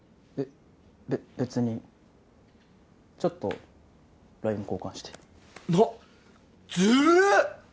べ別にちょっとＬＩＮＥ交換してなっずるっ！